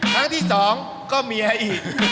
ครั้งที่สองก็เมียอีก